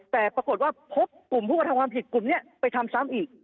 แต่ปรากฏว่าพบกลุ่มผู้กระทำความผิดกลุ่มนี้ไปทำซ้ำอีก